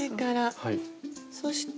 そして。